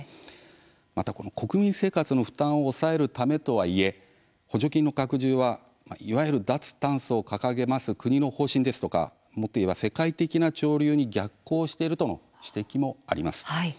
また、国民生活の負担を抑えるためとはいえ補助金の拡充はいわゆる脱炭素を掲げる国の方針ですとかもっと言えば世界的な潮流に逆行しているとの指摘もあります。